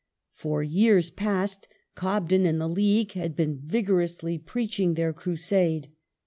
For years past Cobden and the League had been vigorously preaching their crusade.